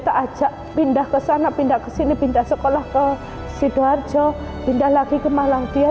kita ajak pindah ke sana pindah ke sini pindah sekolah ke sidoarjo pindah lagi ke malang dia